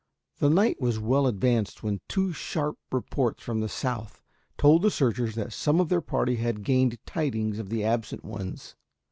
The night was well advanced when two sharp reports from the south told the searchers that some of their party had gained tidings of the absent ones.